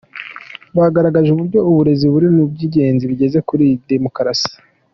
Bagaragaje uburyo uburezi buri mu byingenzi bizageza kuri iyi demukorasi.